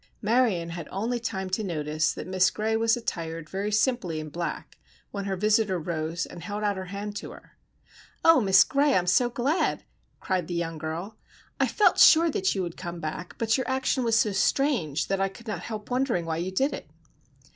Marion had only time to notice that Miss Gray was attired very simply in black, when her visitor rose and held out her hand to her. "Oh, Miss Gray, I'm so glad!" cried the young girl. "I felt sure that you would come back, but your action was so strange that I could not help wondering why you did it."